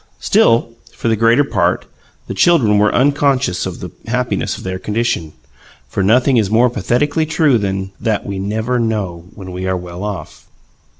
Still, for the greater part, the children are unconscious of the happiness of their condition; for nothing is more pathetically true than that we "never know when we are well off."